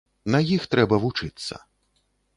На іх трэба вучыцца.